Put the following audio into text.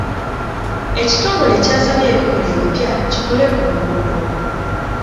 Ekitongole kyasabye ebikola epibya kikole ku nguudo.